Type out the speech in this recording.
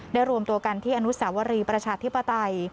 รวมตัวกันที่อนุสาวรีประชาธิปไตย